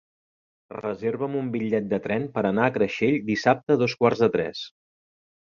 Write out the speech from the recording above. Reserva'm un bitllet de tren per anar a Creixell dissabte a dos quarts de tres.